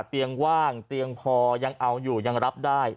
ว่างเตียงพอยังเอาอยู่ยังรับได้